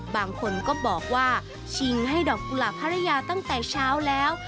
บางคนก็บอกว่าชิงให้ดอกกุหลาบภรรยาตั้งแต่เช้าแล้ว